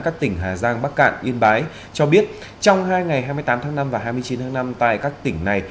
các tỉnh hà giang bắc cạn yên bái cho biết trong hai ngày hai mươi tám tháng năm và hai mươi chín tháng năm tại các tỉnh này